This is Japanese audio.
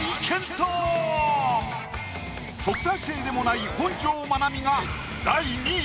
特待生でもない本上まなみが第２位。